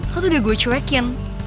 lo tuh udah gue cuekin